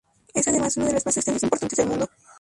Es además uno de los más extensos e importantes del mundo.